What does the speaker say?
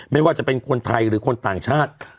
ไม่ว่าจะเป็นคนไทยหรือคนต่างชาติ